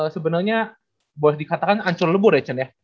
sebenarnya boleh dikatakan ancur lebur ya cen ya